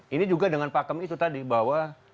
ini juga dengan pakem itu tadi bahwa